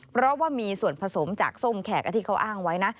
เพราะว่ามีส่วนผสมจากส้มแขกที่เขาอ้างไว้นะ